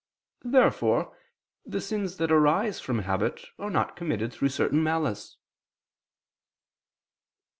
Therefore the sins that arise from habit are not committed through certain malice.